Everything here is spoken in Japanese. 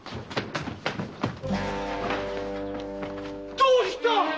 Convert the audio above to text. どうした！